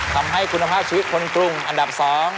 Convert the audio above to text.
ทำให้คุณภาพชีวิตคนกรุงอันดับ๒